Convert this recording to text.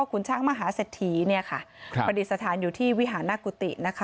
คุณช้างมหาเสธีผลิตสถานอยู่ที่วิหานกุฏิ